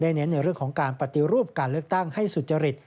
เน้นในเรื่องของการปฏิรูปการเลือกตั้งให้สุจริต